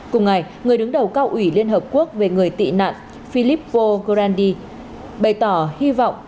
cùng ngày người đứng đầu cao ủy liên hợp quốc về người tị nạn philip v grandi bày tỏ hy vọng